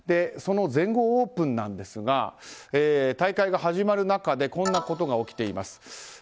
その全豪オープンなんですが大会が始まる中でこんなことが起きています。